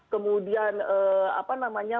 kemudian apa namanya